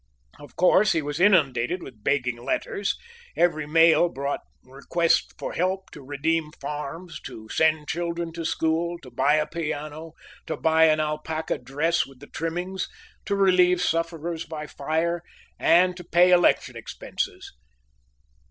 Of course, he was inundated with begging letters. Every mail brought requests for help to redeem farms, to send children to school, to buy a piano, to buy an alpaca dress with the trimmings, to relieve sufferers by fire, and to pay election expenses.